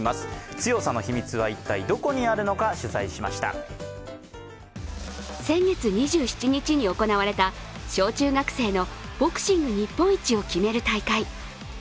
強さの秘密は一体どこにあるのか取材しました先月２７日に行われた小中学生のボクシング日本一を決める大会。